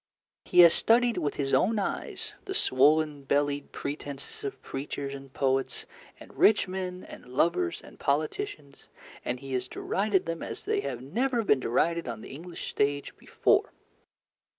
He has studied with his own eyes the swollen bellied pretences of preachers and poets and rich men and lovers and politicians, and he has derided them as they have never been derided on the English stage before.